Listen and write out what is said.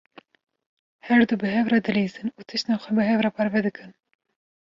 Her du bi hev re dilîzin û tiştên xwe bi hev re parve dikin.